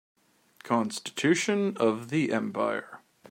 Constitution of the empire